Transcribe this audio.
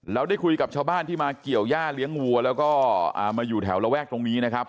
เราได้คุยกับชาวบ้านที่มาเกี่ยวย่าเลี้ยงวัวแล้วก็มาอยู่แถวระแวกตรงนี้นะครับ